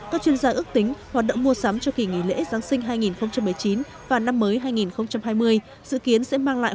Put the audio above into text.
các chuyên gia ước tính hoạt động mua sắm cho kỳ nghỉ lễ giáng sinh hai nghìn một mươi chín và năm mới hai nghìn hai mươi